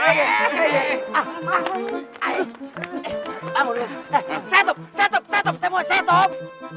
hei setup setup setup